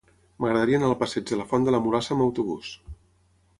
M'agradaria anar al passeig de la Font de la Mulassa amb autobús.